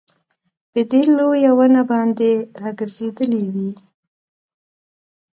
په دې لويه ونه باندي راګرځېدلې وې